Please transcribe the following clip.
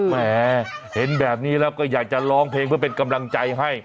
แหมเห็นแบบนี้แล้วก็อยากจะร้องเพลงเพื่อเป็นกำลังใจให้